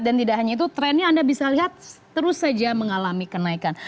dan tidak hanya itu trennya anda bisa lihat terus saja mengalami kenaikan